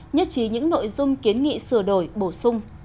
nhất trí những nội dung kiến nghị sửa đổi bổ sung